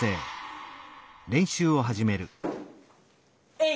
えい！